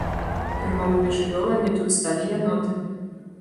Фірмовымі жывёламі тут сталі яноты.